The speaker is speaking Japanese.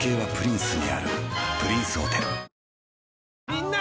みんな！